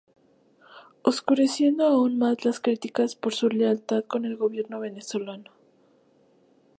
Oscureciendo aun más las criticas por su lealtad con el gobierno venezolano.